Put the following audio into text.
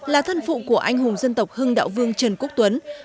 là thân phụ của anh hùng dân tộc hưng đạo vương trần quốc tuấn